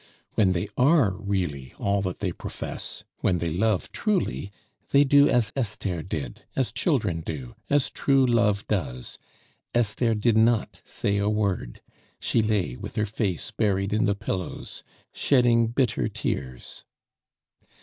When they are really all that they profess, when they love truly, they do as Esther did, as children do, as true love does; Esther did not say a word, she lay with her face buried in the pillows, shedding bitter tears.